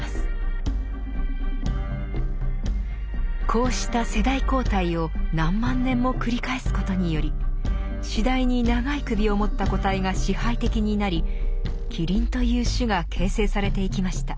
こうした世代交代を何万年も繰り返すことにより次第に長い首をもった個体が支配的になりキリンという種が形成されていきました。